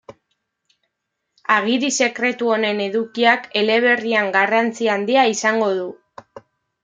Agiri sekretu honen edukiak eleberrian garrantzi handia izango du.